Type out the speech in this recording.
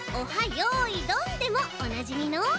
よいどん」でもおなじみの。